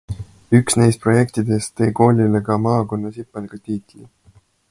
Üks neist projektidest tõi koolile ka Maakonnasipelga tiitli.